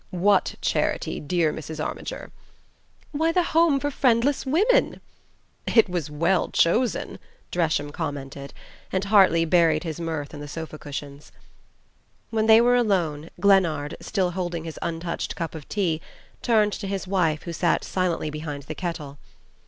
WHAT charity, dear Mrs. Armiger?" "Why, the Home for Friendless Women " "It was well chosen," Dresham commented; and Hartly buried his mirth in the sofa cushions. When they were alone Glennard, still holding his untouched cup of tea, turned to his wife, who sat silently behind the kettle.